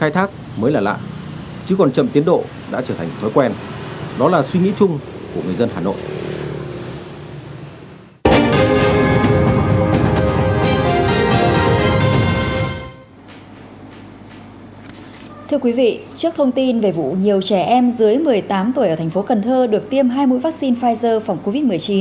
thưa quý vị trước thông tin về vụ nhiều trẻ em dưới một mươi tám tuổi ở thành phố cần thơ được tiêm hai mũi vaccine pfizer phòng covid một mươi chín